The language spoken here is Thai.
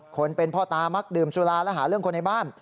คนเป็นพ่อตามักดื่มสุราและหาเรื่องคนในบ้าน